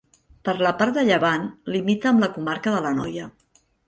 Per la part de llevant, limita amb la comarca de l'Anoia.